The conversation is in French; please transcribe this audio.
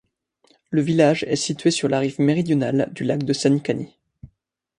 Le village est situé sur la rive méridionale du lac de Saničani.